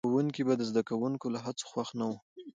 ښوونکي به د زده کوونکو له هڅو خوښ نه وو.